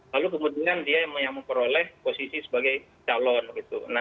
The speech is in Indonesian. lalu kemudian dia yang memperoleh posisi sebagai pdi perjuangan